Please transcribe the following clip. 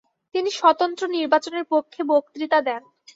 তিনি স্বতন্ত্র নির্বাচনের পক্ষে বক্তৃতা দেন।